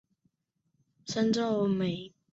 山噪鹛。